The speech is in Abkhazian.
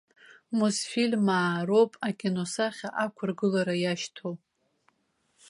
Мосфильмаа роуп акиносахьа ақәыргылара иашьҭоу.